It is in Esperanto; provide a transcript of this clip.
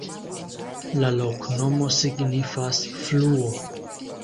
La loknomo signifas: fluo.